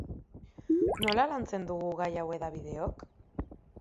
Nola lantzen dugu gai hau hedabideok?